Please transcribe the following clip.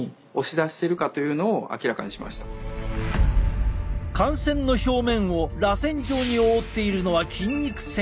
汗腺の表面をらせん状に覆っているのは筋肉線維。